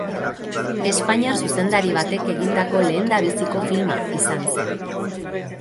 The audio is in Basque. Espainiar zuzendari batek egindako lehendabiziko filma izan zen.